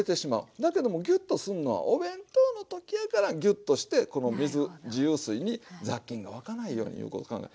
だけどもギュッとするのはお弁当の時やからギュッとしてこの水自由水に雑菌がわかないようにいうことを考える。